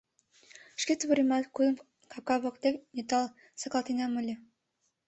— Шке тувыремат кудым капка воктек нӧлтал сакалтенам ыле...